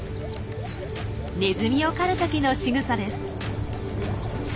ネズミを狩るときのしぐさです。